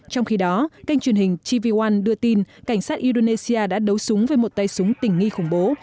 trong khi đó kênh truyền hình tv oan đưa tin cảnh sát indonesia đã đấu súng với một tay súng tình nghi khủng bố